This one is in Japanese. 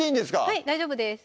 はい大丈夫です